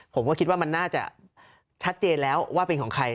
ผมก็คิดว่ามันน่าจะชัดเจนแล้วว่าเป็นของใคร